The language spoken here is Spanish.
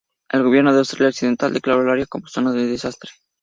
El gobierno de Australia Occidental declaró el área como zona de desastre.